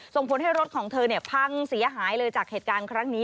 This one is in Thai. ส่งผลให้รถของเธอพังเสียหายเลยจากเหตุการณ์ครั้งนี้